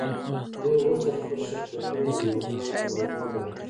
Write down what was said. دوی غوښتل خپل شرکتونه د مورګان پر اوږو بار کړي.